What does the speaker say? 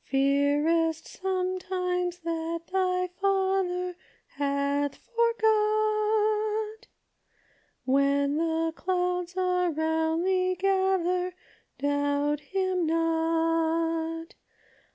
" Fearest sometimes that thy Father Hath forgot ? When the clouds around thee gather, Doubt him not!